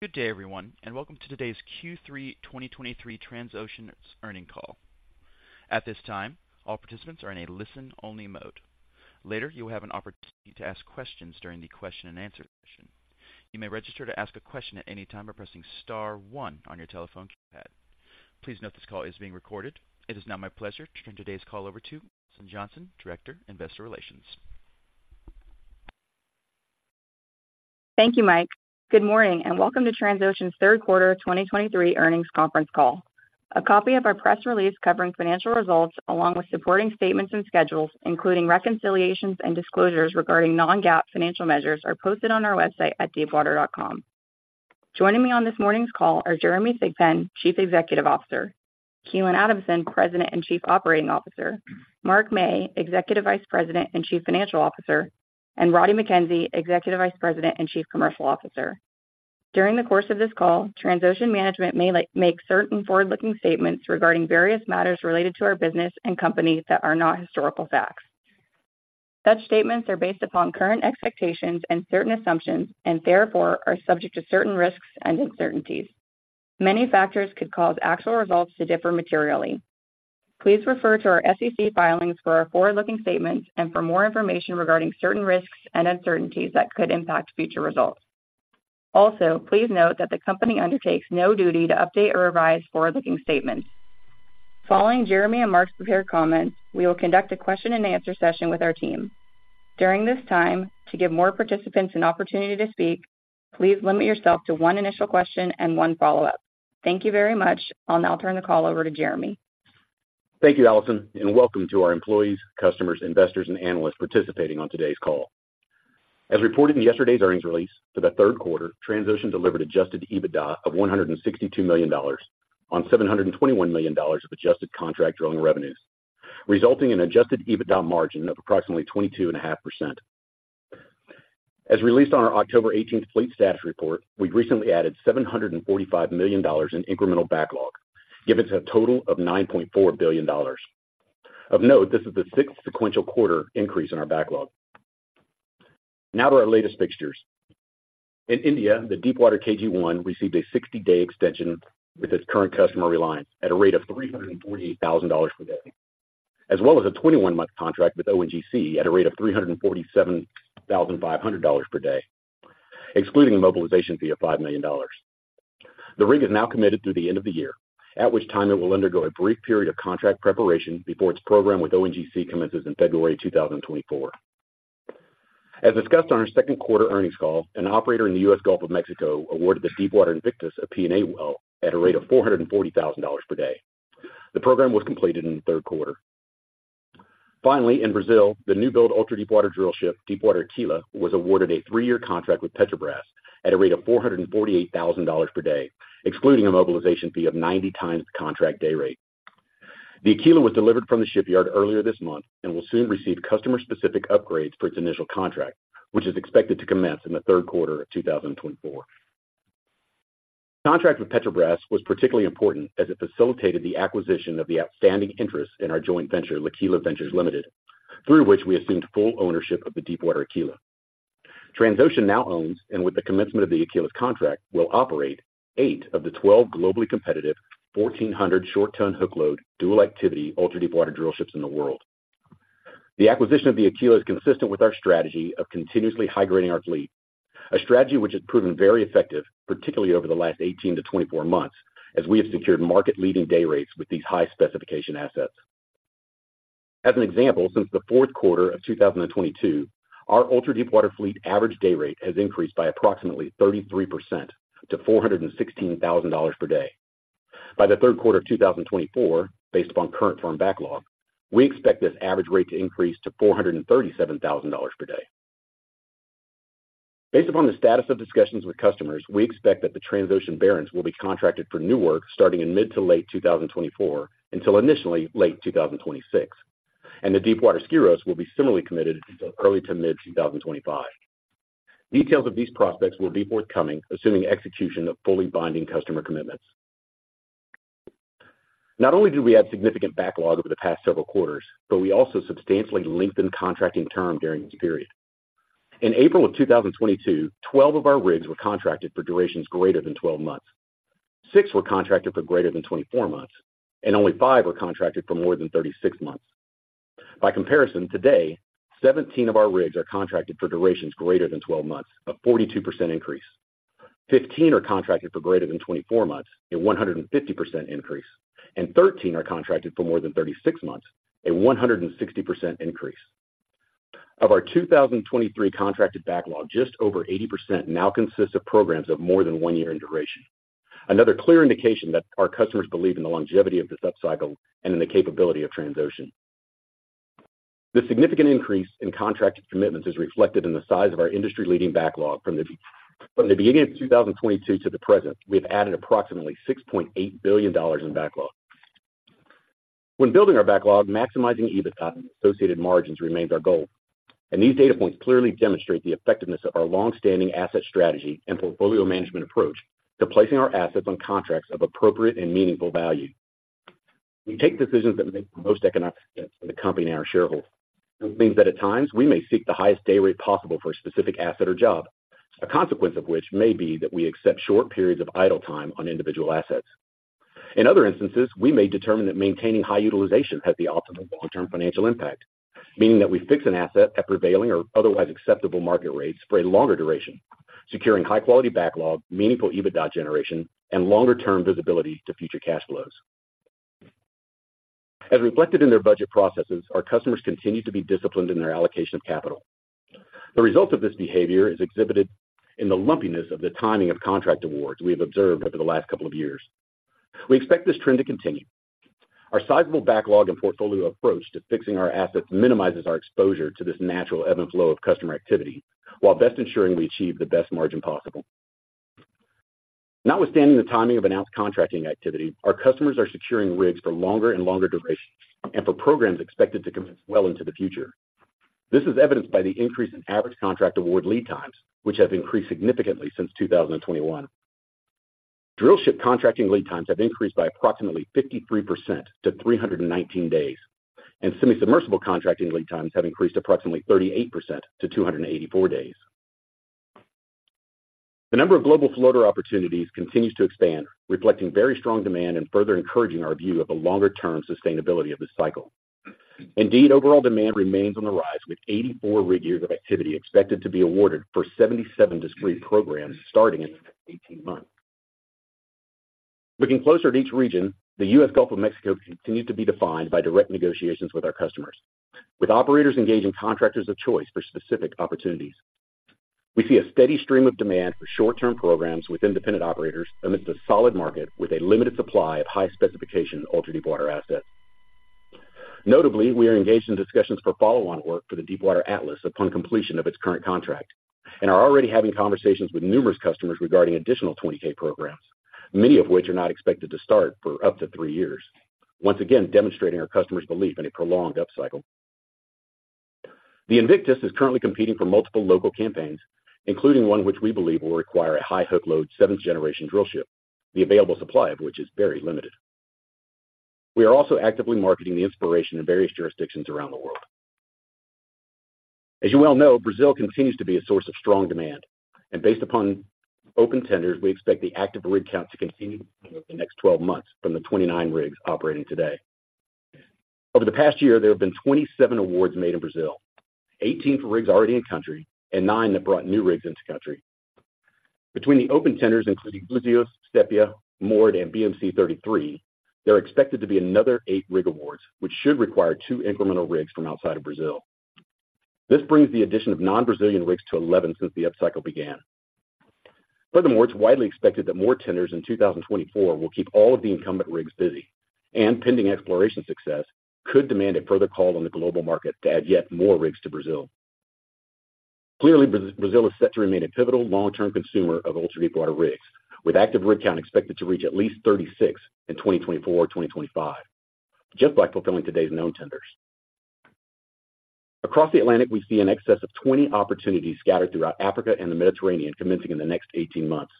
Good day, everyone, and welcome to today's Q3 2023 Transocean earnings call. At this time, all participants are in a listen-only mode. Later, you will have an opportunity to ask questions during the question-and-answer session. You may register to ask a question at any time by pressing star one on your telephone keypad. Please note this call is being recorded. It is now my pleasure to turn today's call over to Alison Johnson, Director, Investor Relations. Thank you, Mike. Good morning, and welcome to Transocean's third quarter 2023 earnings conference call. A copy of our press release covering financial results, along with supporting statements and schedules, including reconciliations and disclosures regarding non-GAAP financial measures, are posted on our website at deepwater.com. Joining me on this morning's call are Jeremy Thigpen, Chief Executive Officer; Keelan Adamson, President and Chief Operating Officer; Mark Mey, Executive Vice President and Chief Financial Officer; and Roddie Mackenzie, Executive Vice President and Chief Commercial Officer. During the course of this call, Transocean management may make certain forward-looking statements regarding various matters related to our business and company that are not historical facts. Such statements are based upon current expectations and certain assumptions and therefore are subject to certain risks and uncertainties. Many factors could cause actual results to differ materially. Please refer to our SEC filings for our forward-looking statements and for more information regarding certain risks and uncertainties that could impact future results. Also, please note that the company undertakes no duty to update or revise forward-looking statements. Following Jeremy and Mark's prepared comments, we will conduct a question-and-answer session with our team. During this time, to give more participants an opportunity to speak, please limit yourself to one initial question and one follow-up. Thank you very much. I'll now turn the call over to Jeremy. Thank you, Alison, and welcome to our employees, customers, investors, and analysts participating on today's call. As reported in yesterday's earnings release, for the third quarter, Transocean delivered adjusted EBITDA of $162 million on $721 million of adjusted contract drilling revenues, resulting in adjusted EBITDA margin of approximately 22.5%. As released on our October 18th fleet status report, we recently added $745 million in incremental backlog, giving us a total of $9.4 billion. Of note, this is the sixth sequential quarter increase in our backlog. Now to our latest fixtures. In India, the Deepwater KG1 received a 60-day extension with its current customer Reliance at a rate of $348,000 per day, as well as a 21-month contract with ONGC at a rate of $347,500 per day, excluding a mobilization fee of $5 million. The rig is now committed through the end of the year, at which time it will undergo a brief period of contract preparation before its program with ONGC commences in February 2024. As discussed on our second quarter earnings call, an operator in the U.S. Gulf of Mexico awarded the Deepwater Invictus a P&A well at a rate of $440,000 per day. The program was completed in the third quarter. Finally, in Brazil, the new build ultra-deepwater drill ship. Deepwater Aquila, was awarded a three-year contract with Petrobras at a rate of $448,000 per day, excluding a mobilization fee of 90 times the contract day rate. The Aquila was delivered from the shipyard earlier this month and will soon receive customer-specific upgrades for its initial contract, which is expected to commence in the third quarter of 2024. The contract with Petrobras was particularly important as it facilitated the acquisition of the outstanding interest in our joint venture, Liquila Ventures Limited, through which we assumed full ownership of the Deepwater Aquila. Transocean now owns, and with the commencement of the Aquila's contract, will operate 8 of the 12 globally competitive 1,400 short ton hook load, dual activity, ultra-deepwater drill ships in the world. The acquisition of the Aquila is consistent with our strategy of continuously high-grading our fleet, a strategy which has proven very effective, particularly over the last 18-24 months, as we have secured market-leading day rates with these high-specification assets. As an example, since the fourth quarter of 2022, our ultra-deepwater fleet average day rate has increased by approximately 33% to $416,000 per day. By the third quarter of 2024, based upon current firm backlog, we expect this average rate to increase to $437,000 per day. Based upon the status of discussions with customers, we expect that the Transocean Barents will be contracted for new work starting in mid to late 2024, until initially late 2026, and the Deepwater Skyros will be similarly committed until early to mid-2025. Details of these prospects will be forthcoming, assuming execution of fully binding customer commitments. Not only do we have significant backlog over the past several quarters, but we also substantially lengthened contracting term during this period. In April 2022, 12 of our rigs were contracted for durations greater than 12 months. Six were contracted for greater than 24 months, and only five were contracted for more than 36 months. By comparison, today, 17 of our rigs are contracted for durations greater than 12 months, a 42% increase, 15 are contracted for greater than 24 months, a 150% increase, and 13 are contracted for more than 36 months, a 160% increase. Of our 2023 contracted backlog, just over 80% now consists of programs of more than one year in duration. Another clear indication that our customers believe in the longevity of this upcycle and in the capability of Transocean. The significant increase in contracted commitments is reflected in the size of our industry-leading backlog. From the beginning of 2022 to the present, we've added approximately $6.8 billion in backlog. When building our backlog, maximizing EBITDA and associated margins remains our goal, and these data points clearly demonstrate the effectiveness of our long-standing asset strategy and portfolio management approach to placing our assets on contracts of appropriate and meaningful value.... We take decisions that make the most economic sense for the company and our shareholders. This means that at times, we may seek the highest day rate possible for a specific asset or job, a consequence of which may be that we accept short periods of idle time on individual assets. In other instances, we may determine that maintaining high utilization has the optimal long-term financial impact, meaning that we fix an asset at prevailing or otherwise acceptable market rates for a longer duration, securing high-quality backlog, meaningful EBITDA generation, and longer-term visibility to future cash flows. As reflected in their budget processes, our customers continue to be disciplined in their allocation of capital. The result of this behavior is exhibited in the lumpiness of the timing of contract awards we have observed over the last couple of years. We expect this trend to continue. Our sizable backlog and portfolio approach to fixing our assets minimizes our exposure to this natural ebb and flow of customer activity, while best ensuring we achieve the best margin possible. Notwithstanding the timing of announced contracting activity, our customers are securing rigs for longer and longer durations and for programs expected to commence well into the future. This is evidenced by the increase in average contract award lead times, which have increased significantly since 2021. Drillship contracting lead times have increased by approximately 53% to 319 days, and semi-submersible contracting lead times have increased approximately 38% to 284 days. The number of global floater opportunities continues to expand, reflecting very strong demand and further encouraging our view of a longer-term sustainability of this cycle. Indeed, overall demand remains on the rise, with 84 rig years of activity expected to be awarded for 77 discrete programs starting in the next 18 months. Looking closer at each region, the U.S. Gulf of Mexico continues to be defined by direct negotiations with our customers. With operators engaging contractors of choice for specific opportunities, we see a steady stream of demand for short-term programs with independent operators amidst a solid market with a limited supply of high-specification ultra-deepwater assets. Notably, we are engaged in discussions for follow-on work for the Deepwater Atlas upon completion of its current contract and are already having conversations with numerous customers regarding additional 20K programs, many of which are not expected to start for up to three years. Once again, demonstrating our customers' belief in a prolonged upcycle. The Invictus is currently competing for multiple local campaigns, including one which we believe will require a high hook load, seventh-generation drillship, the available supply of which is very limited. We are also actively marketing the Inspiration in various jurisdictions around the world. As you well know, Brazil continues to be a source of strong demand, and based upon open tenders, we expect the active rig count to continue over the next 12 months from the 29 rigs operating today. Over the past year, there have been 27 awards made in Brazil, 18 for rigs already in country and nine that brought new rigs into country. Between the open tenders, including Buzios, Sepia, [inaudible] and BM-C-33, there are expected to be another eight rig awards, which should require two incremental rigs from outside of Brazil. This brings the addition of non-Brazilian rigs to 11 since the upcycle began. Furthermore, it's widely expected that more tenders in 2024 will keep all of the incumbent rigs busy, and pending exploration success, could demand a further call on the global market to add yet more rigs to Brazil. Clearly, Brazil is set to remain a pivotal long-term consumer of ultra-deepwater rigs, with active rig count expected to reach at least 36 in 2024 or 2025, just by fulfilling today's known tenders. Across the Atlantic, we see in excess of 20 opportunities scattered throughout Africa and the Mediterranean, commencing in the next 18 months.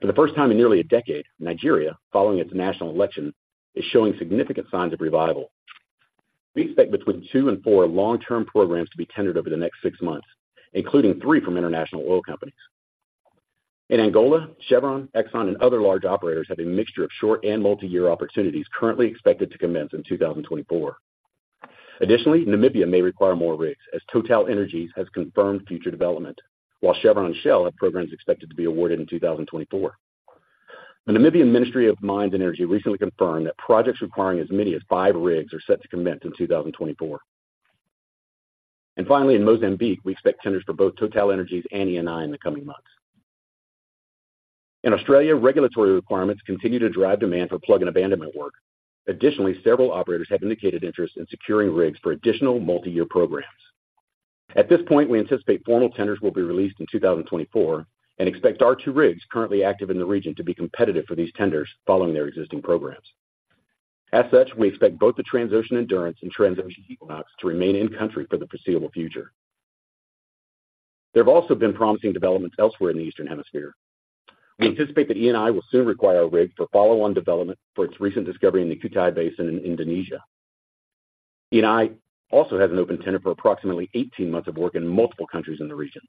For the first time in nearly a decade, Nigeria, following its national election, is showing significant signs of revival. We expect between two and four long-term programs to be tendered over the next six months, including three from international oil companies. In Angola, Chevron, Exxon, and other large operators have a mixture of short and multi-year opportunities currently expected to commence in 2024. Additionally, Namibia may require more rigs as TotalEnergies has confirmed future development, while Chevron and Shell have programs expected to be awarded in 2024. The Namibian Ministry of Mines and Energy recently confirmed that projects requiring as many as five rigs are set to commence in 2024. And finally, in Mozambique, we expect tenders for both TotalEnergies and ENI in the coming months. In Australia, regulatory requirements continue to drive demand for plug and abandonment work. Additionally, several operators have indicated interest in securing rigs for additional multi-year programs. At this point, we anticipate formal tenders will be released in 2024 and expect our two rigs currently active in the region to be competitive for these tenders following their existing programs. As such, we expect both the Transocean Endurance and Transocean Equinox to remain in country for the foreseeable future. There have also been promising developments elsewhere in the Eastern Hemisphere. We anticipate that ENI will soon require a rig for follow-on development for its recent discovery in the Kutai Basin in Indonesia. ENI also has an open tender for approximately 18 months of work in multiple countries in the region.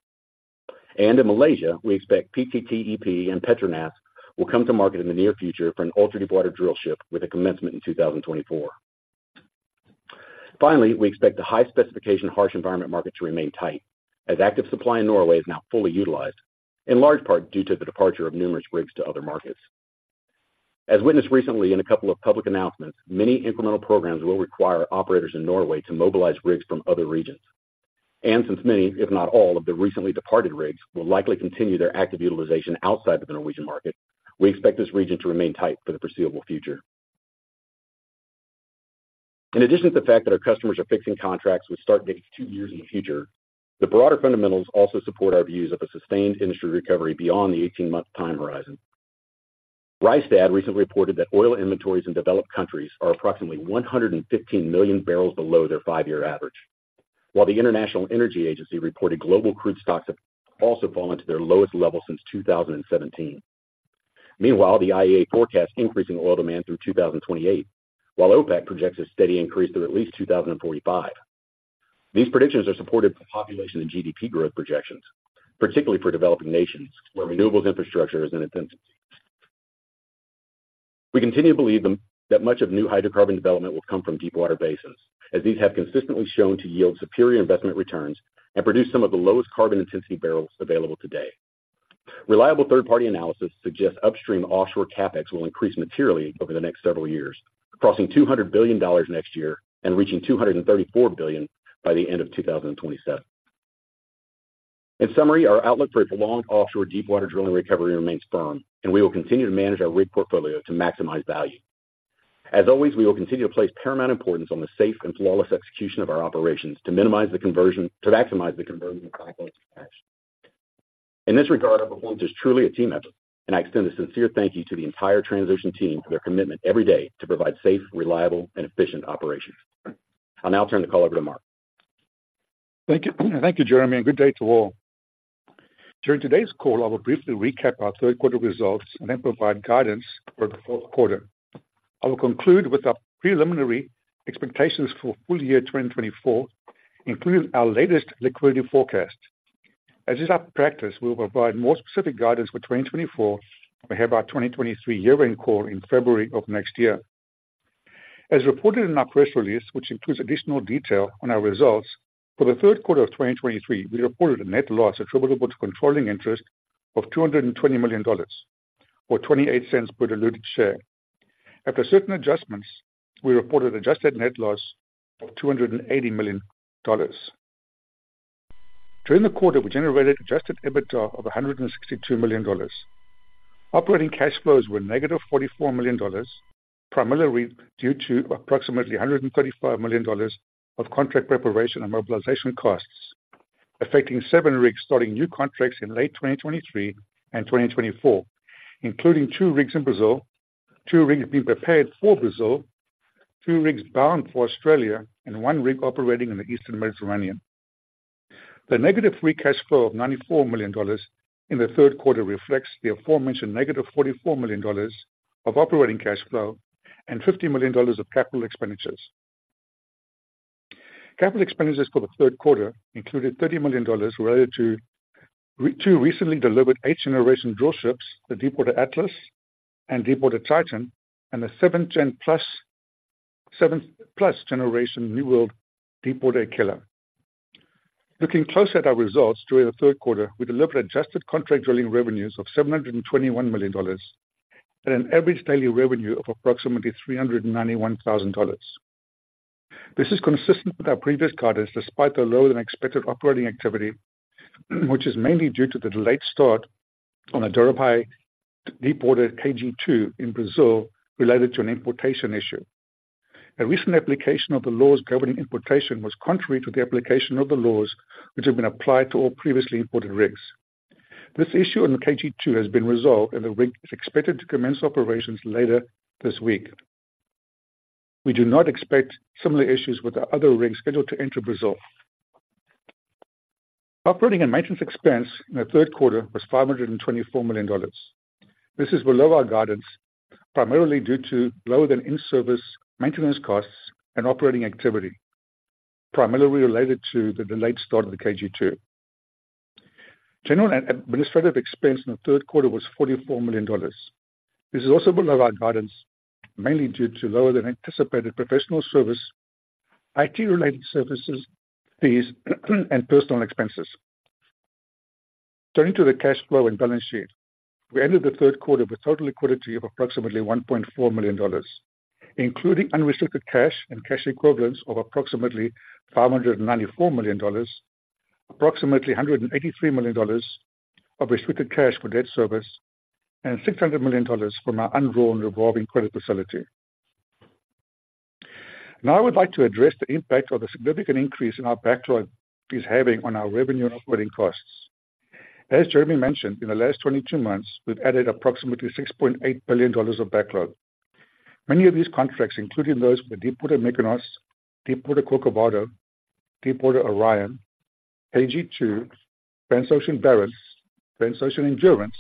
In Malaysia, we expect PTTEP and Petronas will come to market in the near future for an ultra-deepwater drillship with a commencement in 2024. Finally, we expect the high-specification, harsh environment market to remain tight, as active supply in Norway is now fully utilized, in large part due to the departure of numerous rigs to other markets. As witnessed recently in a couple of public announcements, many incremental programs will require operators in Norway to mobilize rigs from other regions. Since many, if not all, of the recently departed rigs will likely continue their active utilization outside of the Norwegian market, we expect this region to remain tight for the foreseeable future. In addition to the fact that our customers are fixing contracts with start dates two years in the future, the broader fundamentals also support our views of a sustained industry recovery beyond the 18-month time horizon. Rystad recently reported that oil inventories in developed countries are approximately 115 million barrels below their 5-year average... While the International Energy Agency reported global crude stocks have also fallen to their lowest level since 2017. Meanwhile, the IEA forecasts increasing oil demand through 2028, while OPEC projects a steady increase through at least 2045. These predictions are supported by population and GDP growth projections, particularly for developing nations, where renewables infrastructure is in its infancy. We continue to believe that much of new hydrocarbon development will come from deepwater basins, as these have consistently shown to yield superior investment returns and produce some of the lowest carbon intensity barrels available today. Reliable third-party analysis suggests upstream offshore CapEx will increase materially over the next several years, crossing $200 billion next year and reaching $234 billion by the end of 2027. In summary, our outlook for a prolonged offshore deepwater drilling recovery remains firm, and we will continue to manage our rig portfolio to maximize value. As always, we will continue to place paramount importance on the safe and flawless execution of our operations to minimize the conversion, to maximize the conversion of operations. In this regard, our performance is truly a team effort, and I extend a sincere thank you to the entire transition team for their commitment every day to provide safe, reliable, and efficient operations. I'll now turn the call over to Mark. Thank you. Thank you, Jeremy, and good day to all. During today's call, I will briefly recap our third quarter results and then provide guidance for the fourth quarter. I will conclude with our preliminary expectations for full year 2024, including our latest liquidity forecast. As is our practice, we will provide more specific guidance for 2024 when we have our 2023 year-end call in February of next year. As reported in our press release, which includes additional detail on our results, for the third quarter of 2023, we reported a net loss attributable to controlling interest of $220 million or $0.28 per diluted share. After certain adjustments, we reported adjusted net loss of $280 million. During the quarter, we generated adjusted EBITDA of $162 million. Operating cash flows were negative $44 million, primarily due to approximately $135 million of contract preparation and mobilization costs, affecting seven rigs starting new contracts in late 2023 and 2024, including two rigs in Brazil, two rigs being prepared for Brazil, two rigs bound for Australia, and one rig operating in the Eastern Mediterranean. The negative free cash flow of $94 million in the third quarter reflects the aforementioned negative $44 million of operating cash flow and $50 million of capital expenditures. Capital expenditures for the third quarter included $30 million related to two recently delivered 8th-generation drillships, the Deepwater Atlas and Deepwater Titan, and the 7th-gen-plus, 7-plus-generation new-build Deepwater KG2. Looking closer at our results, during the third quarter, we delivered adjusted contract drilling revenues of $721 million and an average daily revenue of approximately $391,000. This is consistent with our previous guidance, despite the lower-than-expected operating activity, which is mainly due to the late start on a Deepwater KG2 in Brazil related to an importation issue. A recent application of the laws governing importation was contrary to the application of the laws which have been applied to all previously imported rigs. This issue on the KG2 has been resolved, and the rig is expected to commence operations later this week. We do not expect similar issues with the other rigs scheduled to enter Brazil. Operating and maintenance expense in the third quarter was $524 million. This is below our guidance, primarily due to lower-than in-service maintenance costs and operating activity, primarily related to the delayed start of the KG2. General and administrative expense in the third quarter was $44 million. This is also below our guidance, mainly due to lower-than-anticipated professional service, IT-related services, fees, and personal expenses. Turning to the cash flow and balance sheet, we ended the third quarter with total liquidity of approximately $1.4 million, including unrestricted cash and cash equivalents of approximately $594 million, approximately $183 million of restricted cash for debt service, and $600 million from our undrawn revolving credit facility. Now, I would like to address the impact of the significant increase in our backlog is having on our revenue and operating costs. As Jeremy mentioned, in the last 22 months, we've added approximately $6.8 billion of backlog. Many of these contracts, including those with Deepwater Mykonos, Deepwater Corcovado, Deepwater Orion, KG2, Transocean Barents, Transocean Endurance,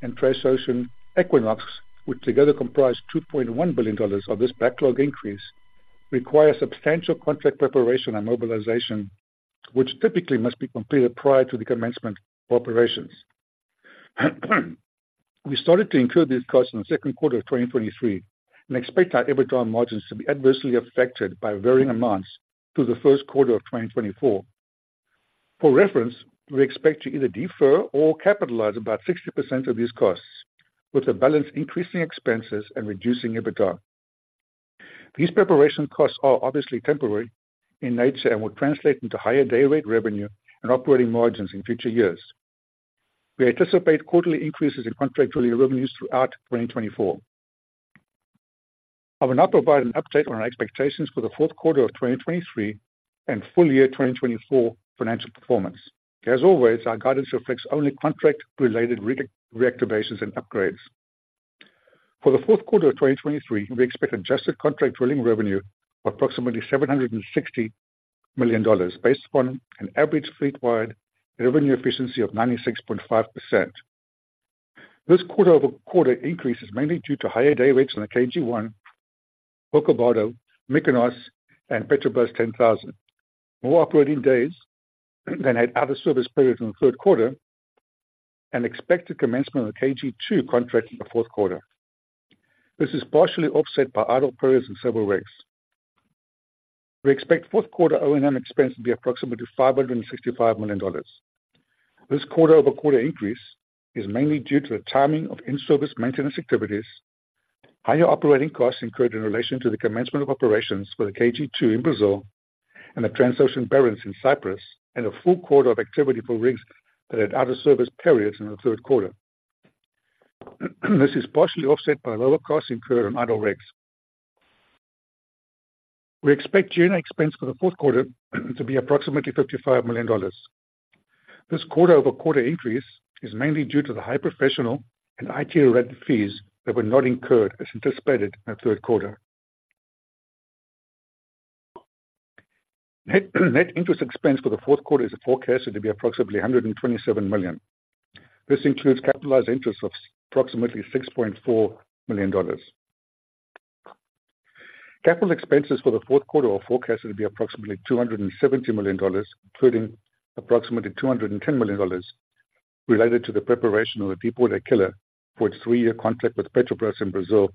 and Transocean Equinox, which together comprise $2.1 billion of this backlog increase, require substantial contract preparation and mobilization, which typically must be completed prior to the commencement of operations. We started to incur these costs in the second quarter of 2023 and expect our EBITDA margins to be adversely affected by varying amounts through the first quarter of 2024. For reference, we expect to either defer or capitalize about 60% of these costs, with the balance increasing expenses and reducing EBITDA. These preparation costs are obviously temporary in nature and will translate into higher day rate revenue and operating margins in future years. We anticipate quarterly increases in contractual revenues throughout 2024. I will now provide an update on our expectations for the fourth quarter of 2023 and full year 2024 financial performance. As always, our guidance reflects only contract-related reactivations and upgrades. For the fourth quarter of 2023, we expect adjusted contract drilling revenue of approximately $760 million, based upon an average fleet-wide revenue efficiency of 96.5%. This quarter-over-quarter increase is mainly due to higher day rates on the KG1, Corcovado, Mykonos, and Petrobras 10000. More operating days than had other service periods in the third quarter and expected commencement of the KG2 contract in the fourth quarter. This is partially offset by idle periods and several rigs. We expect fourth quarter O&M expense to be approximately $565 million. This quarter-over-quarter increase is mainly due to the timing of in-service maintenance activities, higher operating costs incurred in relation to the commencement of operations for the KG2 in Brazil and the Transocean Barents in Cyprus, and a full quarter of activity for rigs that had out-of-service periods in the third quarter. This is partially offset by lower costs incurred on idle rigs. We expect general expense for the fourth quarter to be approximately $55 million. This quarter-over-quarter increase is mainly due to the high professional and IT-related fees that were not incurred as anticipated in the third quarter. Net, net interest expense for the fourth quarter is forecasted to be approximately $127 million. This includes capitalized interest of approximately $6.4 million. Capital expenses for the fourth quarter are forecasted to be approximately $270 million, including approximately $210 million related to the preparation of the Deepwater Aquila for its three-year contract with Petrobras in Brazil,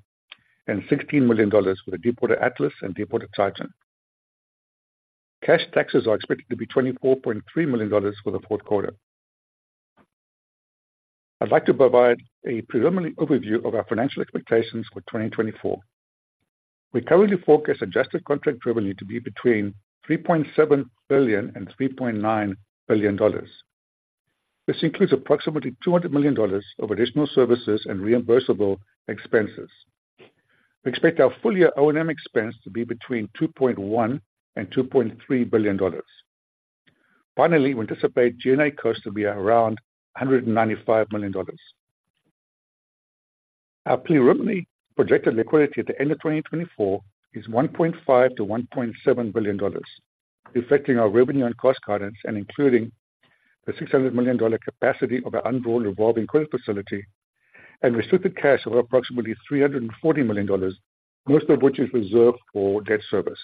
and $16 million for the Deepwater Atlas and Deepwater Titan. Cash taxes are expected to be $24.3 million for the fourth quarter. I'd like to provide a preliminary overview of our financial expectations for 2024. We currently forecast adjusted contract revenue to be between $3.7 billion and $3.9 billion. This includes approximately $200 million of additional services and reimbursable expenses. We expect our full year O&M expense to be between $2.1 billion and $2.3 billion. Finally, we anticipate G&A costs to be around $195 million. Our preliminary projected liquidity at the end of 2024 is $1.5 billion-$1.7 billion, reflecting our revenue on cost guidance and including the $600 million capacity of our undrawn revolving credit facility and restricted cash of approximately $340 million, most of which is reserved for debt service.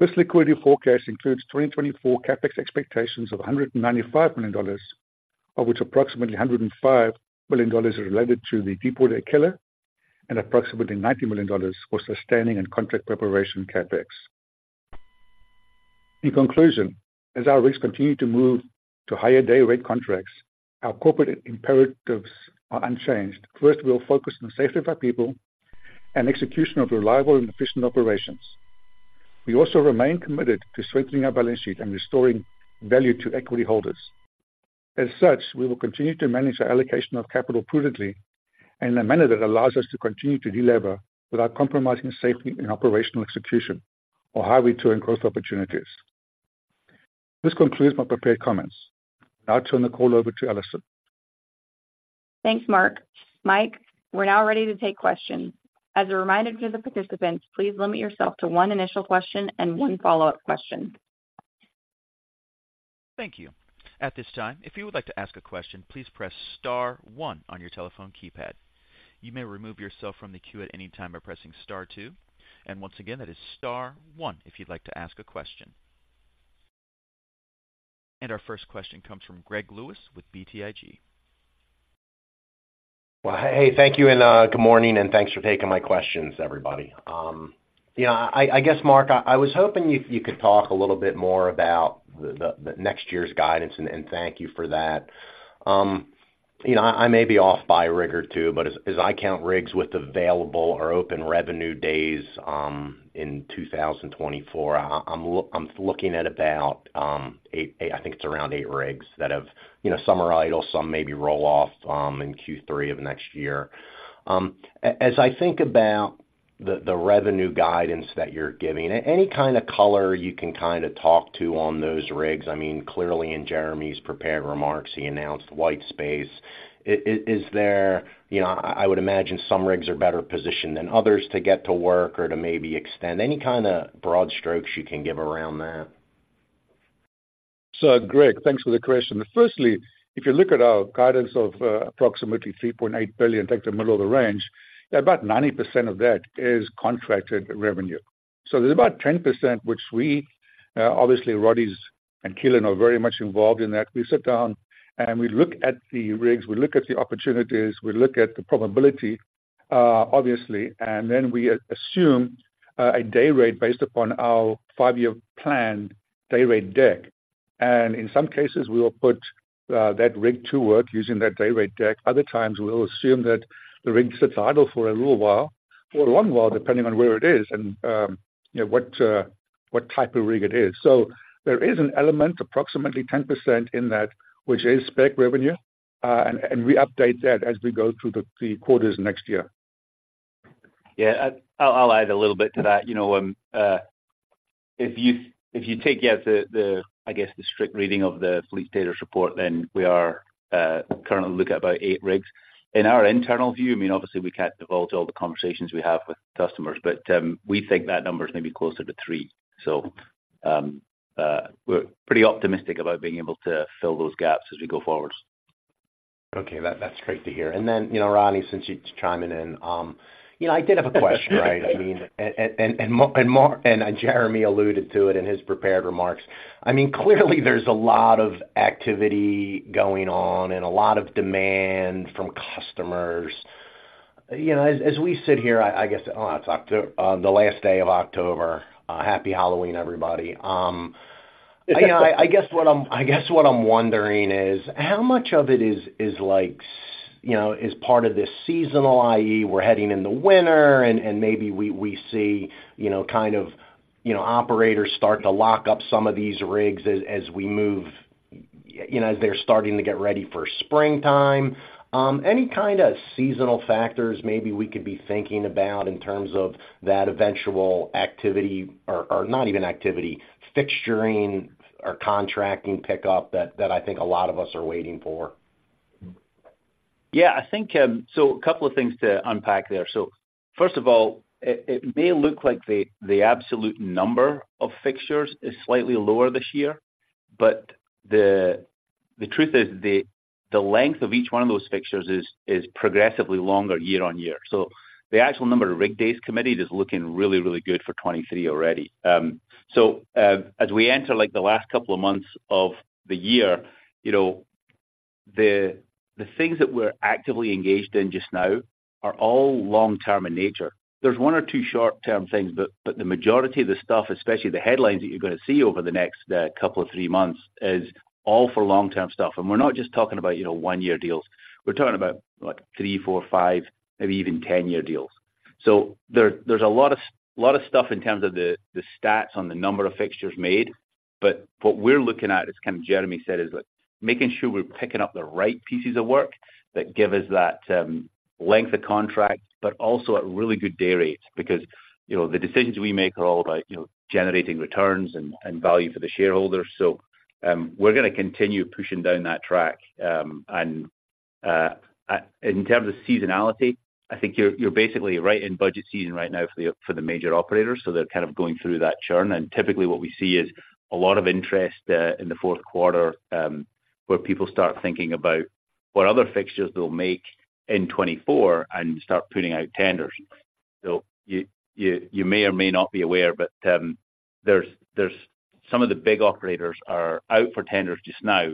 This liquidity forecast includes 2024 Capex expectations of $195 million, of which approximately $105 million are related to the Deepwater Aquila and approximately $90 million for sustaining and contract preparation CapEx. In conclusion, as our rigs continue to move to higher day rate contracts, our corporate imperatives are unchanged. First, we'll focus on the safety of our people and execution of reliable and efficient operations. We also remain committed to strengthening our balance sheet and restoring value to equity holders. As such, we will continue to manage our allocation of capital prudently in a manner that allows us to continue to deliver without compromising safety and operational execution or high-value growth opportunities. This concludes my prepared comments. Now I turn the call over to Alison. Thanks, Mark. Mike, we're now ready to take questions. As a reminder to the participants, please limit yourself to one initial question and one follow-up question. Thank you. At this time, if you would like to ask a question, please press star one on your telephone keypad. You may remove yourself from the queue at any time by pressing star two. Once again, that is star one if you'd like to ask a question. Our first question comes from Greg Lewis with BTIG. Well, hey, thank you and good morning, and thanks for taking my questions, everybody. You know, I guess, Mark, I was hoping you could talk a little bit more about the next year's guidance, and thank you for that. You know, I may be off by a rig or two, but as I count rigs with available or open revenue days in 2024, I'm looking at about eight... I think it's around eight rigs that have, you know, some are idle, some maybe roll off in Q3 of next year. As I think about the revenue guidance that you're giving, any kind of color you can kinda talk to on those rigs, I mean, clearly in Jeremy's prepared remarks, he announced white space. Is there? You know, I would imagine some rigs are better positioned than others to get to work or to maybe extend. Any kinda broad strokes you can give around that? So Greg, thanks for the question. Firstly, if you look at our guidance of approximately $3.8 billion, take the middle of the range, about 90% of that is contracted revenue. So there's about 10%, which we obviously, Roddie’s and Keelan’s are very much involved in that. We sit down and we look at the rigs, we look at the opportunities, we look at the probability, obviously, and then we assume a day rate based upon our five-year plan day rate deck. And in some cases, we will put that rig to work using that day rate deck. Other times, we'll assume that the rig sits idle for a little while, or a long while, depending on where it is and, you know, what type of rig it is. So there is an element, approximately 10% in that, which is spec revenue, and we update that as we go through the quarters next year.... Yeah, I'll add a little bit to that. You know, if you take the strict reading of the fleet status report, then we are currently looking at about eight rigs. In our internal view, I mean, obviously, we can't divulge all the conversations we have with customers, but we think that number is maybe closer to three. So, we're pretty optimistic about being able to fill those gaps as we go forward. Okay, that's great to hear. And then, you know, Roddie, since you're chiming in, you know, I did have a question, right? I mean, and more—and Jeremy alluded to it in his prepared remarks. I mean, clearly there's a lot of activity going on and a lot of demand from customers. You know, as we sit here, I guess, oh, it's October—the last day of October. Happy Halloween, everybody. You know, I guess what I'm wondering is: how much of it is, you know, part of this seasonal, i.e., we're heading in the winter and maybe we see, you know, kind of, operators start to lock up some of these rigs as we move, you know, as they're starting to get ready for springtime? Any kind of seasonal factors maybe we could be thinking about in terms of that eventual activity or not even activity, fixturing or contracting pickup that I think a lot of us are waiting for? Yeah, I think, So a couple of things to unpack there. So first of all, it may look like the absolute number of fixtures is slightly lower this year, but the truth is, the length of each one of those fixtures is progressively longer year on year. So the actual number of rig days committed is looking really, really good for 2023 already. So, as we enter, like, the last couple of months of the year, you know, the things that we're actively engaged in just now are all long-term in nature. There's one or two short-term things, but the majority of the stuff, especially the headlines that you're gonna see over the next couple of three months, is all for long-term stuff. And we're not just talking about, you know, one-year deals. We're talking about, what? three-, four-, five-, maybe even 10-year deals. So there, there's a lot of stuff in terms of the stats on the number of fixtures made, but what we're looking at, as kind of Jeremy said, is, like, making sure we're picking up the right pieces of work that give us that length of contract, but also at really good day rates. Because, you know, the decisions we make are all about, you know, generating returns and value for the shareholders. So, we're gonna continue pushing down that track. And, in terms of seasonality, I think you're basically right in budget season right now for the major operators, so they're kind of going through that churn. And typically, what we see is a lot of interest in the fourth quarter, where people start thinking about what other fixtures they'll make in 2024 and start putting out tenders. So you may or may not be aware, but there's some of the big operators are out for tenders just now,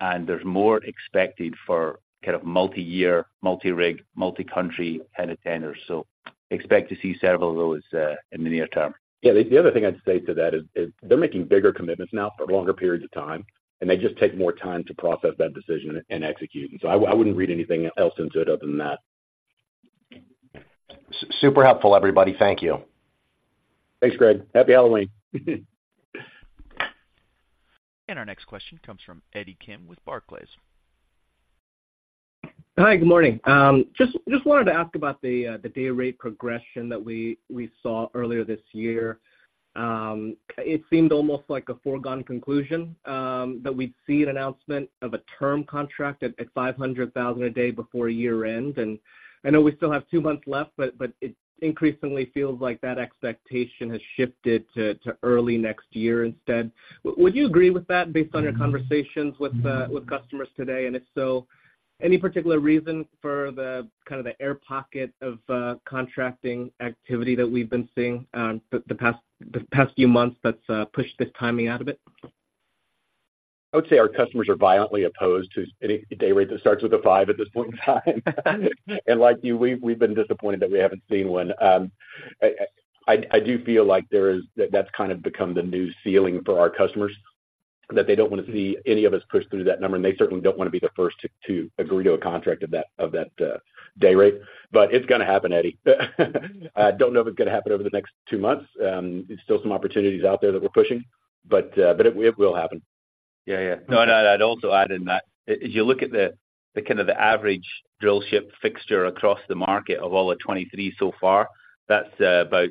and there's more expected for kind of multi-year, multi-rig, multi-country kind of tenders. So expect to see several of those in the near term. Yeah, the other thing I'd say to that is they're making bigger commitments now for longer periods of time, and they just take more time to process that decision and execute. So I wouldn't read anything else into it other than that. Super helpful, everybody. Thank you. Thanks, Greg. Happy Halloween. Our next question comes from Eddie Kim with Barclays. Hi, good morning. Just wanted to ask about the day rate progression that we saw earlier this year. It seemed almost like a foregone conclusion that we'd see an announcement of a term contract at $500,000 a day before year end. And I know we still have two months left, but it increasingly feels like that expectation has shifted to early next year instead. Would you agree with that based on your conversations with customers today? And if so, any particular reason for the kind of the air pocket of contracting activity that we've been seeing the past few months that's pushed this timing out a bit? I would say our customers are violently opposed to any day rate that starts with a five at this point in time. And like you, we've been disappointed that we haven't seen one. I do feel like that's kind of become the new ceiling for our customers, that they don't want to see any of us push through that number, and they certainly don't want to be the first to agree to a contract of that day rate. But it's gonna happen, Eddie. I don't know if it's gonna happen over the next two months. There's still some opportunities out there that we're pushing, but it will happen. Yeah, yeah. No, no, I'd also add in that, as you look at the kind of the average drillship fixture across the market of all of 23 so far, that's about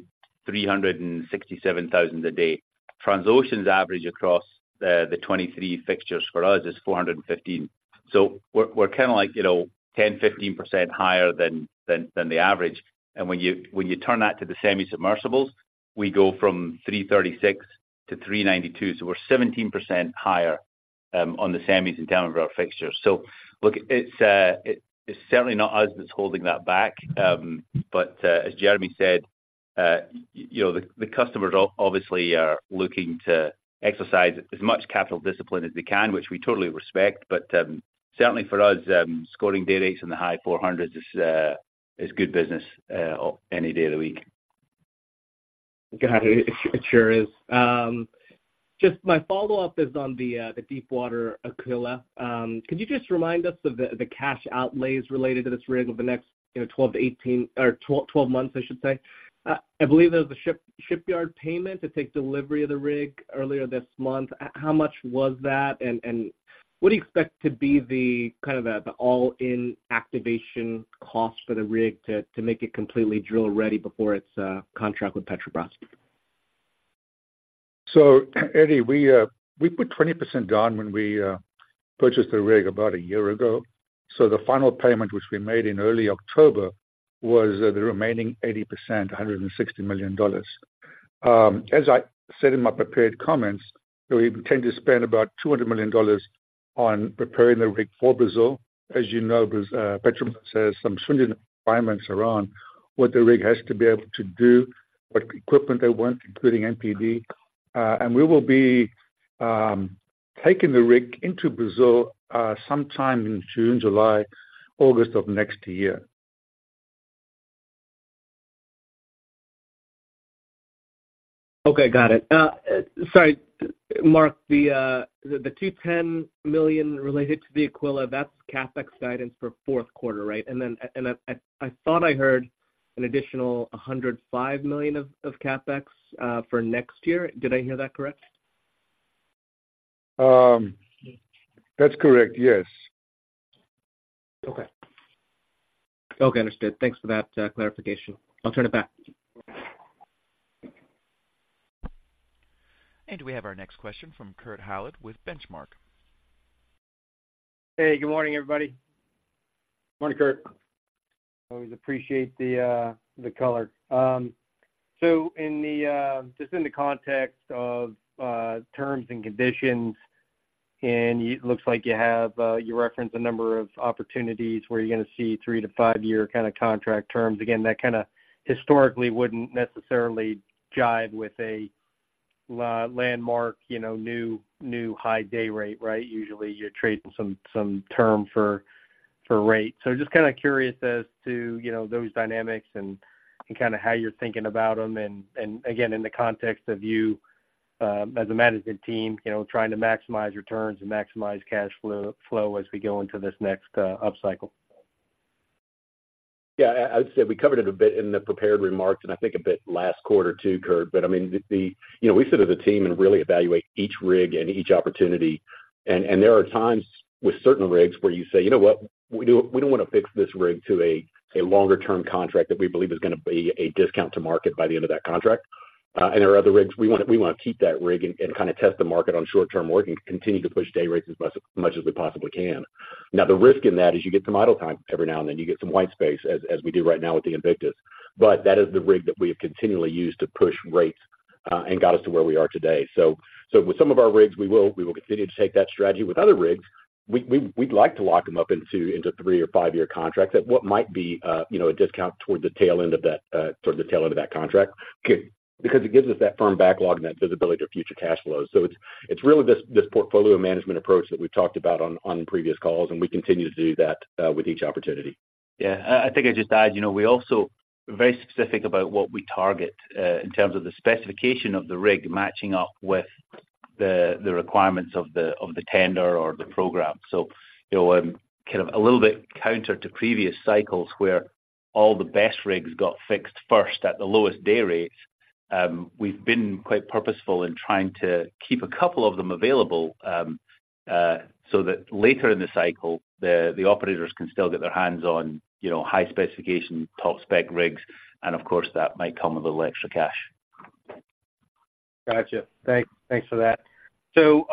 $367,000 a day. Transocean's average across the 23 fixtures for us is $415,000. So we're kind of like, you know, 10%-15% higher than the average. And when you turn that to the semi-submersibles, we go from $336,000 to $392,000. So we're 17% higher on the semis in terms of our fixtures. So look, it's certainly not us that's holding that back. But as Jeremy said, you know, the customers obviously are looking to exercise as much capital discipline as they can, which we totally respect. But, certainly for us, scoring day rates in the high $400s is good business any day of the week. Got it. It sure is. Just my follow-up is on the Deepwater Aquila. Could you just remind us of the cash outlays related to this rig over the next 12 to 18, or 12 months, I should say? I believe there was a shipyard payment to take delivery of the rig earlier this month. How much was that, and what do you expect to be the kind of the all-in activation cost for the rig to make it completely drill-ready before its contract with Petrobras? So, Eddie, we put 20% down when we purchased the rig about a year ago. So the final payment, which we made in early October, was the remaining 80%, $160 million. As I said in my prepared comments, so we tend to spend about $200 million on preparing the rig for Brazil. As you know, Brazil, Petrobras has some stringent requirements around what the rig has to be able to do, what equipment they want, including MPD. And we will be taking the rig into Brazil sometime in June, July, August of next year. Okay, got it. Sorry, Mark, the $210 million related to the Aquila, that's Capex guidance for fourth quarter, right? And then, I thought I heard an additional $105 million of Capex for next year. Did I hear that correct? That's correct, yes. Okay. Okay, understood. Thanks for that, clarification. I'll turn it back. We have our next question from Kurt Hallead with Benchmark. Hey, good morning, everybody. Morning, Kurt. Always appreciate the, the color. So in the, just in the context of, terms and conditions, and looks like you have, you reference a number of opportunities where you're gonna see three-five-year kind of contract terms. Again, that kinda historically wouldn't necessarily jive with a landmark, you know, new, new high day rate, right? Usually, you're trading some, some term for, for rate. So just kinda curious as to, you know, those dynamics and, and kinda how you're thinking about them, and, and again, in the context of you, as a management team, you know, trying to maximize returns and maximize cash flow, flow as we go into this next, upcycle. Yeah, I would say we covered it a bit in the prepared remarks, and I think a bit last quarter too, Kurt, but I mean. You know, we sit as a team and really evaluate each rig and each opportunity. And there are times with certain rigs where you say: You know what? We don't wanna fix this rig to a longer-term contract that we believe is gonna be a discount to market by the end of that contract. And there are other rigs, we wanna keep that rig and kinda test the market on short-term work and continue to push day rates as much as we possibly can. Now, the risk in that is you get some idle time every now and then. You get some white space, as we do right now with the Invictus. But that is the rig that we have continually used to push rates, and got us to where we are today. So with some of our rigs, we will continue to take that strategy. With other rigs, we'd like to lock them up into three- or five-year contracts at what might be, you know, a discount towards the tail end of that, sort of the tail end of that contract because it gives us that firm backlog and that visibility to future cash flows. So it's really this portfolio management approach that we've talked about on previous calls, and we continue to do that with each opportunity. Yeah. I think I'd just add, you know, we also are very specific about what we target in terms of the specification of the rig matching up with the requirements of the tender or the program. So, you know, kind of a little bit counter to previous cycles, where all the best rigs got fixed first at the lowest day rates, we've been quite purposeful in trying to keep a couple of them available, so that later in the cycle, the operators can still get their hands on, you know, high-specification, top-spec rigs, and of course, that might come with a little extra cash. Gotcha. Thanks for that. So,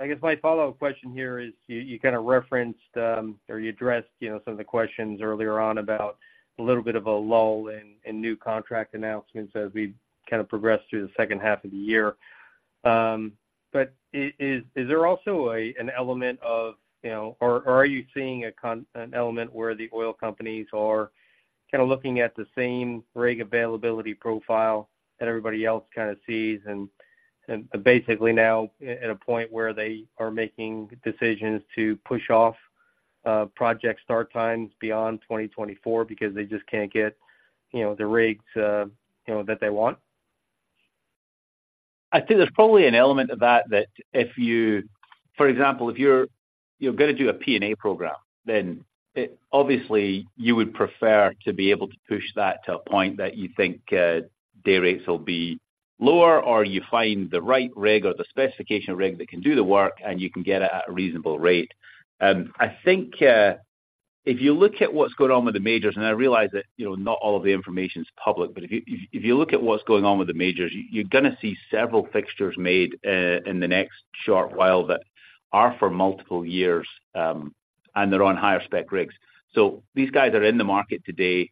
I guess my follow-up question here is, you kinda referenced or you addressed, you know, some of the questions earlier on about a little bit of a lull in new contract announcements as we've kind of progressed through the second half of the year. But is there also an element of, you know, or are you seeing an element where the oil companies are kinda looking at the same rig availability profile that everybody else kinda sees, and basically now at a point where they are making decisions to push off project start times beyond 2024 because they just can't get, you know, the rigs that they want? I think there's probably an element of that. For example, if you're gonna do a P&A program, then it obviously you would prefer to be able to push that to a point that you think day rates will be lower, or you find the right rig or the specification rig that can do the work, and you can get it at a reasonable rate. I think if you look at what's going on with the majors, and I realize that, you know, not all of the information is public, but if you look at what's going on with the majors, you're gonna see several fixtures made in the next short while that are for multiple years, and they're on higher-spec rigs. So these guys are in the market today,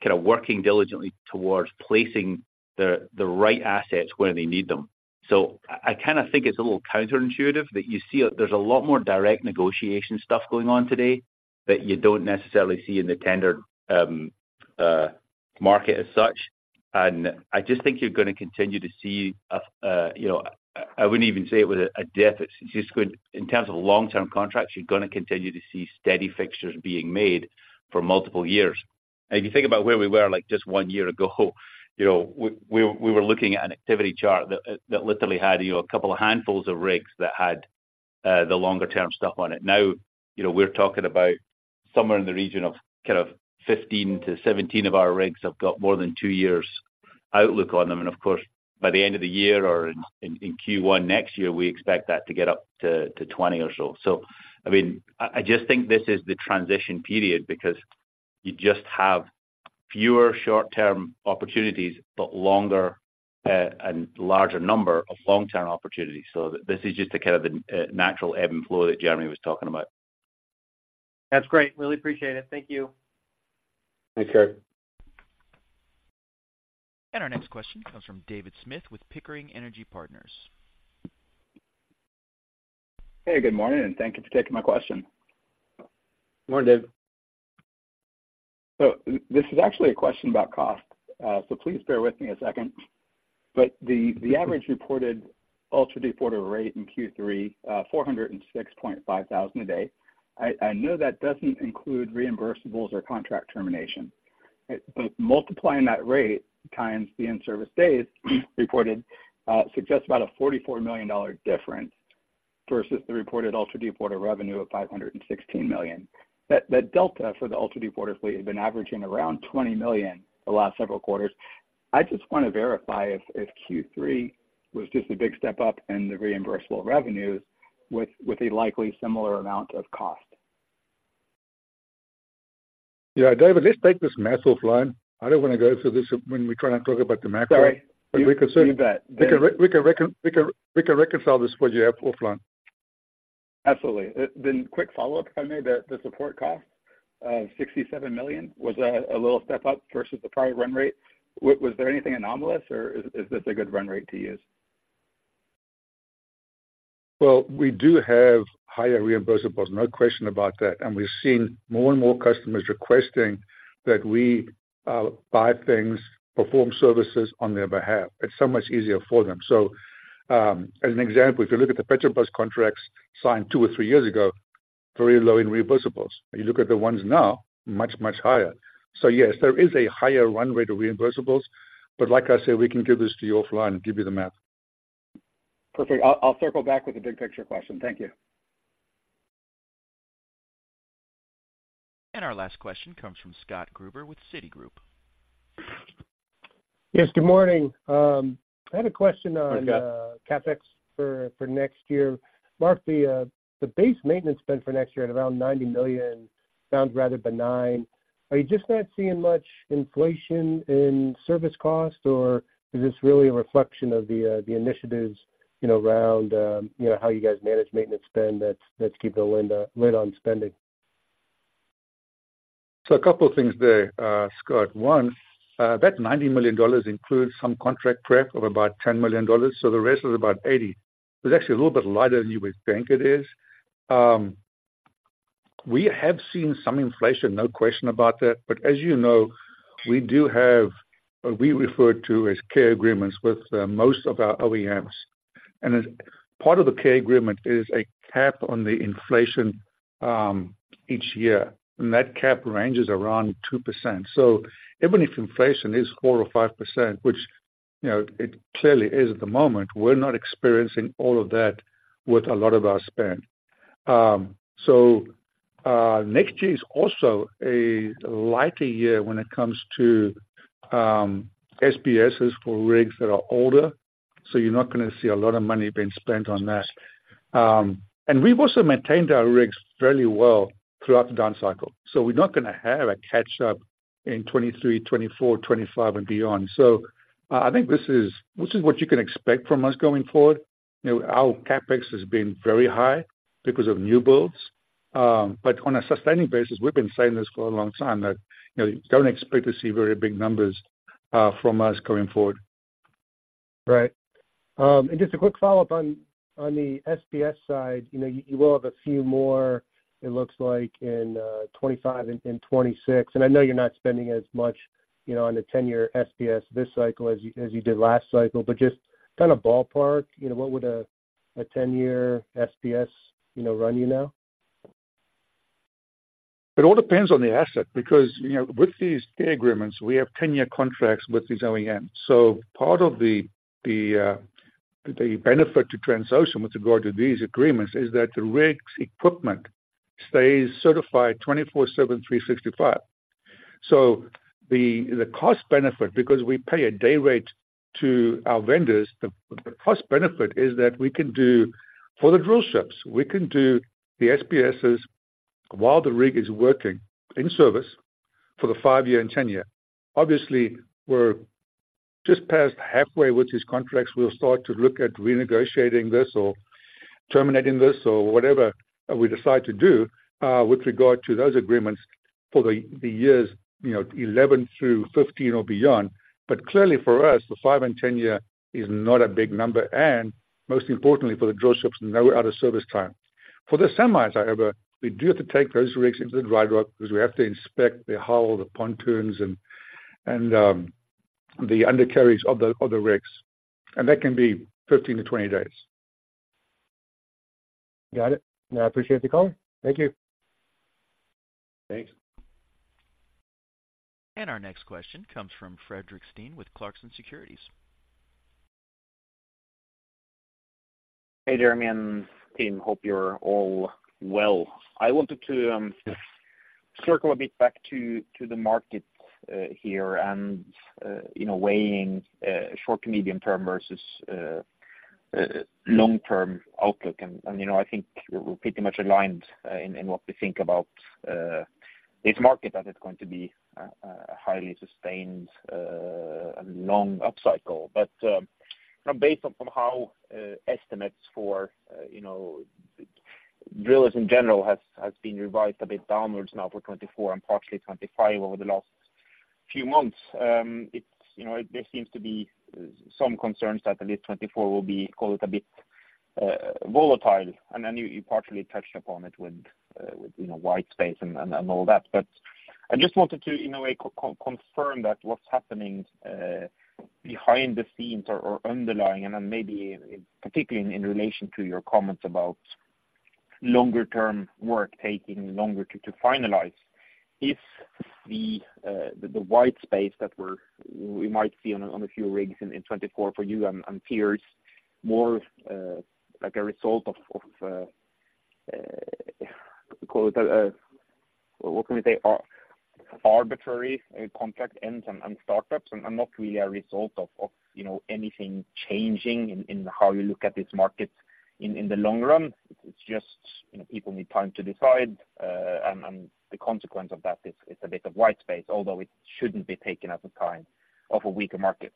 kinda working diligently towards placing the right assets where they need them. So I kinda think it's a little counterintuitive, that you see there's a lot more direct negotiation stuff going on today, that you don't necessarily see in the tender market as such. And I just think you're gonna continue to see, you know, I wouldn't even say it was a dip. It's just going in terms of long-term contracts, you're gonna continue to see steady fixtures being made for multiple years. And if you think about where we were, like, just one year ago, you know, we were looking at an activity chart that literally had, you know, a couple of handfuls of rigs that had the longer-term stuff on it. Now, you know, we're talking about somewhere in the region of kind of 15-17 of our rigs have got more than two years-... outlook on them. Of course, by the end of the year or in Q1 next year, we expect that to get up to 20 or so. So, I mean, I just think this is the transition period because you just have fewer short-term opportunities, but longer and larger number of long-term opportunities. So this is just a kind of natural ebb and flow that Jeremy was talking about. That's great. Really appreciate it. Thank you. Thanks, Kurt. Our next question comes from David Smith with Pickering Energy Partners. Hey, good morning, and thank you for taking my question. Good morning, David. So this is actually a question about cost, so please bear with me a second. But the average reported ultra-deepwater rate in Q3, four hundred and six point five thousand a day, I know that doesn't include reimbursables or contract termination. But multiplying that rate times the in-service days reported suggests about a $44 million difference versus the reported ultra-deepwater revenue of $516 million. That delta for the ultra-deepwater fleet has been averaging around $20 million the last several quarters. I just want to verify if Q3 was just a big step up in the reimbursable revenues with a likely similar amount of cost. Yeah, David, let's take this math offline. I don't want to go through this when we're trying to talk about the macro. Sorry.But we can- You bet. We can reconcile this for you offline. Absolutely. Then quick follow-up, if I may, the, the support cost of $67 million, was that a little step up versus the prior run rate? Was there anything anomalous, or is, is this a good run rate to use? Well, we do have higher reimbursables, no question about that, and we've seen more and more customers requesting that we buy things, perform services on their behalf. It's so much easier for them. So, as an example, if you look at the Petrobras contracts signed two or three years ago, very low in reimbursables. You look at the ones now, much, much higher. So yes, there is a higher runway to reimbursables, but like I said, we can give this to you offline and give you the math. Perfect. I'll, I'll circle back with the big picture question. Thank you. Our last question comes from Scott Gruber with Citigroup. Yes, good morning. I had a question on- Hi, Scott. CapEx for next year. Mark, the base maintenance spend for next year at around $90 million sounds rather benign. Are you just not seeing much inflation in service costs, or is this really a reflection of the initiatives, you know, around how you guys manage maintenance spend that's keeping a lid on spending? So a couple of things there, Scott. One, that $90 million includes some contract prep of about $10 million, so the rest is about $80 million. It's actually a little bit lighter than you would think it is. We have seen some inflation, no question about that. But as you know, we do have what we refer to as care agreements with most of our OEMs. And as part of the care agreement is a cap on the inflation each year, and that cap ranges around 2%. So even if inflation is 4% or 5%, which, you know, it clearly is at the moment, we're not experiencing all of that with a lot of our spend. So, next year is also a lighter year when it comes to SPSs for rigs that are older, so you're not gonna see a lot of money being spent on that. And we've also maintained our rigs fairly well throughout the down cycle, so we're not gonna have a catch up in 2023, 2024, 2025 and beyond. So, I think this is what you can expect from us going forward. You know, our CapEx has been very high because of new builds. But on a sustaining basis, we've been saying this for a long time, that, you know, don't expect to see very big numbers from us going forward. Right. And just a quick follow-up on, on the SPS side, you know, you will have a few more, it looks like, in 2025 and 2026, and I know you're not spending as much, you know, on the 10-year SPS this cycle as you did last cycle. But just kind of ballpark, you know, what would a 10-year SPS, you know, run you now? It all depends on the asset, because, you know, with these care agreements, we have 10-year contracts with these OEMs. So part of the benefit to Transocean with regard to these agreements is that the rig's equipment stays certified 24/7, 365. So the cost benefit, because we pay a day rate to our vendors, is that we can do, for the drill ships, the SPSs while the rig is working in service for the 5-year and 10-year. Obviously, we're just past halfway with these contracts. We'll start to look at renegotiating this or terminating this or whatever we decide to do with regard to those agreements for the years, you know, 11 through 15 or beyond. But clearly, for us, the 5- and 10-year is not a big number, and most importantly, for the drillships, no out of service time. For the semis, however, we do have to take those rigs into the dry dock because we have to inspect the hull, the pontoons and the undercarriages of the rigs, and that can be 15-20 days. Got it. I appreciate the call. Thank you. Thanks. Our next question comes from Fredrik Stene with Clarkson Securities.... Hey, Jeremy and team, hope you're all well. I wanted to circle a bit back to the market here, and you know, weighing short to medium term versus long term outlook. And you know, I think we're pretty much aligned in what we think about this market, that it's going to be a highly sustained and long upcycle. But based on how estimates for you know, drillers in general has been revised a bit downwards now for 2024, and partially 2025 over the last few months. It's you know, there seems to be some concerns that at least 2024 will be, call it, a bit volatile. And then you partially touched upon it with you know, white space and all that. But I just wanted to, in a way, confirm that what's happening behind the scenes or underlying, and then maybe particularly in relation to your comments about longer term work taking longer to finalize. If the white space that we might see on a few rigs in 2024 for you and peers, more like a result of call it what can we say? Arbitrary contract ends and startups, and not really a result of you know anything changing in how you look at this market in the long run. It's just you know people need time to decide and the consequence of that is it's a bit of white space, although it shouldn't be taken as a kind of a weaker market.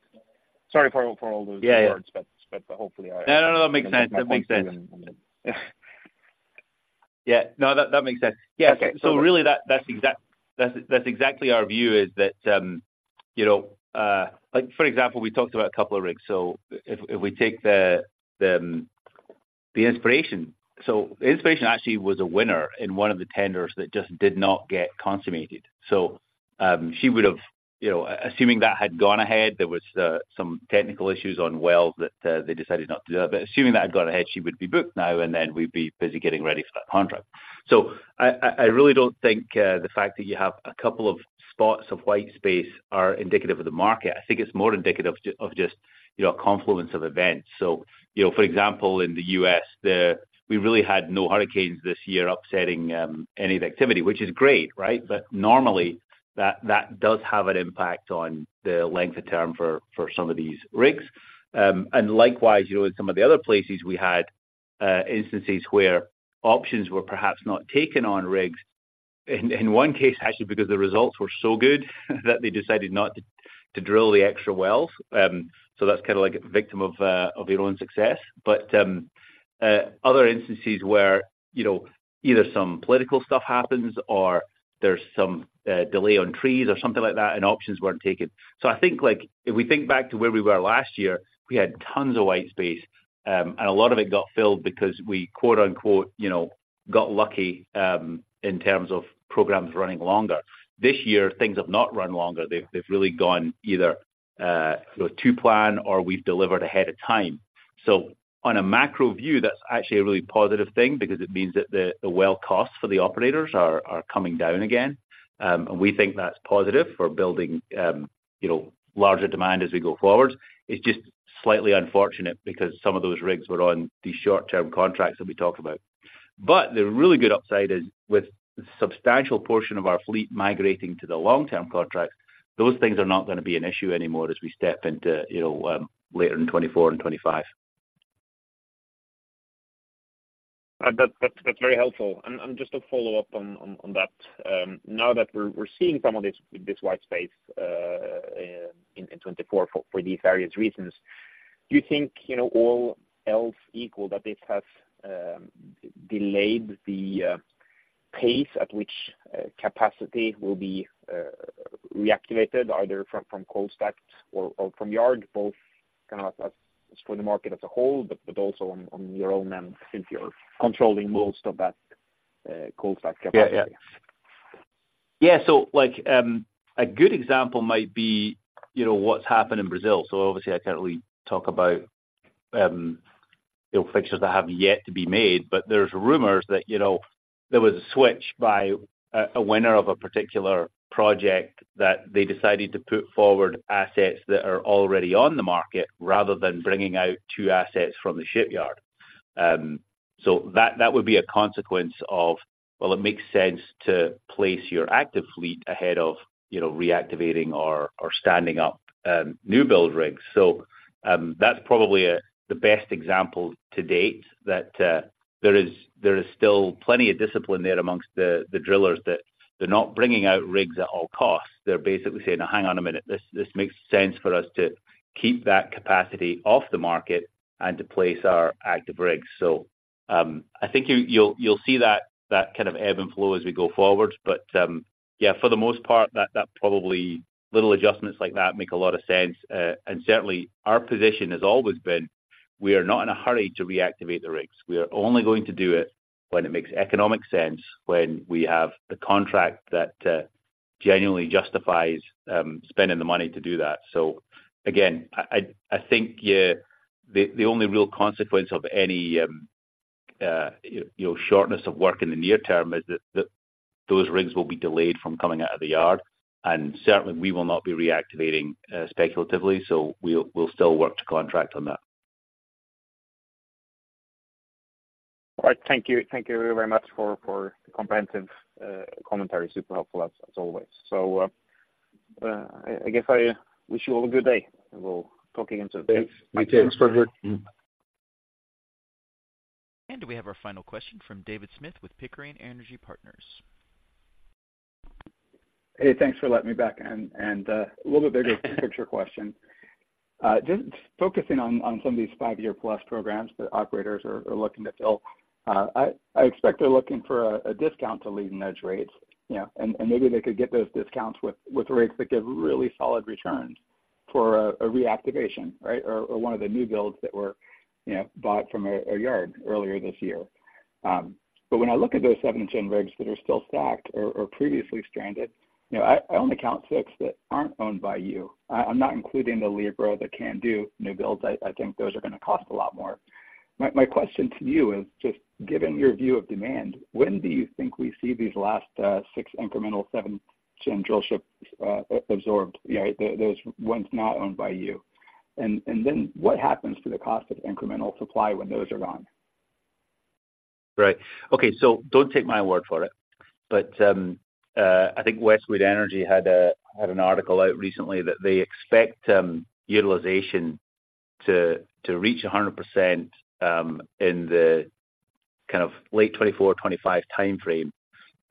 Sorry for all those- Yeah but hopefully I- No, no, that makes sense. That makes sense. Yeah. Yeah. No, that, that makes sense. Yeah. Okay. So really, that's exactly our view, is that, you know, like for example, we talked about a couple of rigs. So if we take the Inspiration. So Inspiration actually was a winner in one of the tenders that just did not get consummated. So she would've, you know, assuming that had gone ahead, there was some technical issues on wells that they decided not to do that. But assuming that had gone ahead, she would be booked now and then we'd be busy getting ready for that contract. So I really don't think the fact that you have a couple of spots of white space are indicative of the market. I think it's more indicative of just, you know, a confluence of events. So, you know, for example, in the U.S., we really had no hurricanes this year upsetting any of the activity, which is great, right? But normally, that does have an impact on the length of term for some of these rigs. And likewise, you know, in some of the other places we had instances where options were perhaps not taken on rigs, in one case, actually, because the results were so good that they decided not to drill the extra wells. So that's kinda like a victim of your own success. But other instances where, you know, either some political stuff happens or there's some delay on trees or something like that, and options weren't taken. So I think, like, if we think back to where we were last year, we had tons of white space, and a lot of it got filled because we, quote-unquote, you know, got lucky, in terms of programs running longer. This year, things have not run longer. They've really gone either, you know, to plan, or we've delivered ahead of time. So on a macro view, that's actually a really positive thing because it means that the well costs for the operators are coming down again. And we think that's positive for building, you know, larger demand as we go forward. It's just slightly unfortunate because some of those rigs were on these short-term contracts that we talked about. But the really good upside is, with substantial portion of our fleet migrating to the long-term contracts, those things are not gonna be an issue anymore as we step into, you know, later in 2024 and 2025. That's very helpful. And just to follow up on that, now that we're seeing some of this white space in 2024 for these various reasons, do you think, you know, all else equal, that this has delayed the pace at which capacity will be reactivated, either from cold stack or from yard, both kinda as for the market as a whole, but also on your own, and since you're controlling most of that cold stack capacity? Yeah. Yeah. Yeah, so like, a good example might be, you know, what's happened in Brazil. So obviously I can't really talk about, you know, fixes that have yet to be made, but there's rumors that, you know, there was a switch by a winner of a particular project that they decided to put forward assets that are already on the market, rather than bringing out two assets from the shipyard. So that would be a consequence of... Well, it makes sense to place your active fleet ahead of, you know, reactivating or standing up new build rigs. So, that's probably the best example to date, that there is still plenty of discipline there amongst the drillers, that they're not bringing out rigs at all costs. They're basically saying, "Now, hang on a minute, this makes sense for us to keep that capacity off the market and to place our active rigs." So, I think you'll see that kind of ebb and flow as we go forward. But, yeah, for the most part, that probably little adjustments like that make a lot of sense. And certainly, our position has always been, we are not in a hurry to reactivate the rigs. We are only going to do it when it makes economic sense, when we have the contract that genuinely justifies spending the money to do that. So again, I think, yeah, the only real consequence of any... You know, the shortness of work in the near term is that those rigs will be delayed from coming out of the yard, and certainly we will not be reactivating speculatively, so we'll still work to contract on that. All right. Thank you. Thank you very much for the comprehensive commentary. Super helpful, as always. So, I guess I wish you all a good day, and we'll talk again soon. Thanks. You too. We have our final question from David Smith with Pickering Energy Partners. Hey, thanks for letting me back in, and a little bit bigger picture question. Just focusing on some of these five-year plus programs that operators are looking to fill. I expect they're looking for a discount to leading edge rates, you know, and maybe they could get those discounts with rates that give really solid returns for a reactivation, right? Or one of the new builds that were, you know, bought from a yard earlier this year. But when I look at those seventh-gen rigs that are still stacked or previously stranded, you know, I only count 6 that aren't owned by you. I'm not including the Libra that can do new builds. I think those are gonna cost a lot more. My, my question to you is just, given your view of demand, when do you think we see these last 6 incremental seventh-gen drillships absorbed, right? Those ones not owned by you. And then what happens to the cost of incremental supply when those are on? Right. Okay, so don't take my word for it, but, I think Westwood Energy had an article out recently that they expect utilization to reach 100% in the kind of late 2024, 2025 timeframe.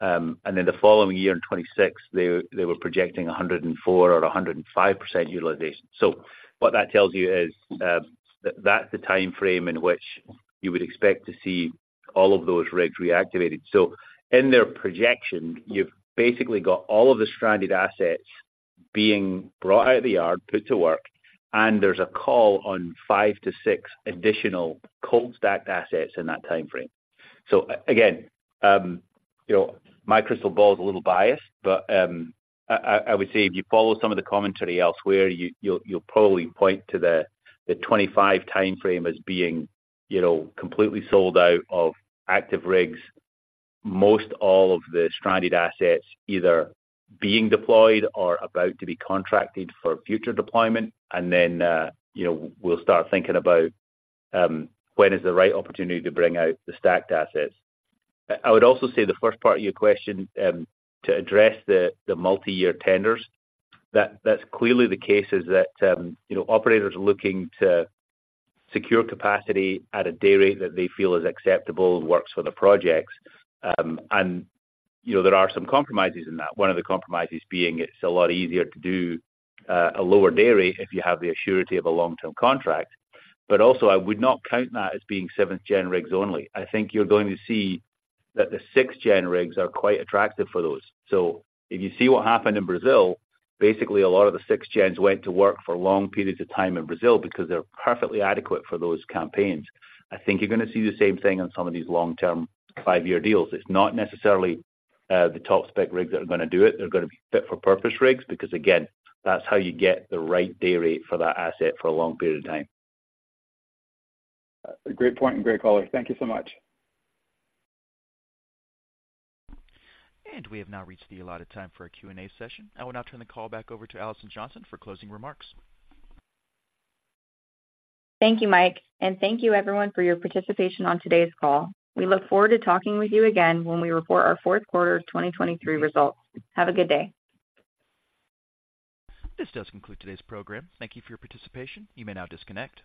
And then the following year, in 2026, they were projecting 104% or 105% utilization. So what that tells you is that that's the timeframe in which you would expect to see all of those rigs reactivated. So in their projection, you've basically got all of the stranded assets being brought out of the yard, put to work, and there's a call on 5-6 additional cold stacked assets in that timeframe. So again, you know, my crystal ball is a little biased, but I would say if you follow some of the commentary elsewhere, you'll probably point to the 2025 timeframe as being, you know, completely sold out of active rigs. Most all of the stranded assets either being deployed or about to be contracted for future deployment. And then, you know, we'll start thinking about when is the right opportunity to bring out the stacked assets. I would also say the first part of your question to address the multi-year tenders, that's clearly the case is that, you know, operators are looking to secure capacity at a day rate that they feel is acceptable and works for the projects. And, you know, there are some compromises in that. One of the compromises being it's a lot easier to do a lower day rate if you have the certainty of a long-term contract. But also I would not count that as being seventh-gen rigs only. I think you're going to see that the sixth-gen rigs are quite attractive for those. So if you see what happened in Brazil, basically a lot of the sixth-gens went to work for long periods of time in Brazil because they're perfectly adequate for those campaigns. I think you're gonna see the same thing on some of these long-term five-year deals. It's not necessarily the top-spec rigs that are gonna do it. They're gonna be fit for purpose rigs, because again, that's how you get the right day rate for that asset for a long period of time. Great point and great color. Thank you so much. We have now reached the allotted time for our Q&A session. I will now turn the call back over to Alison Johnson for closing remarks. Thank you, Mike, and thank you everyone for your participation on today's call. We look forward to talking with you again when we report our fourth quarter of 2023 results. Have a good day. This does conclude today's program. Thank you for your participation. You may now disconnect.